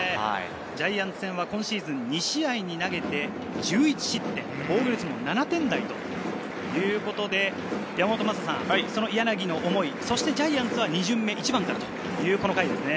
ジャイアンツ戦は今シーズン２試合投げて１１失点、防御率も７点台ということで柳の思い、ジャイアンツは２巡目１番からというこの回ですね。